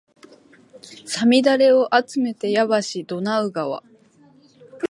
五月雨をあつめてやばしドナウ川